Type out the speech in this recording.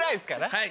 はい。